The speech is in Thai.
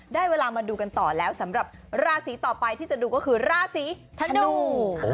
ได้เวลามาดูกันต่อแล้วสำหรับราศีต่อไปที่จะดูก็คือราศีธนู